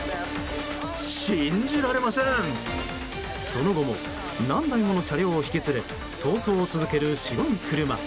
その後も何台もの車両を引き連れ逃走を続ける白い車。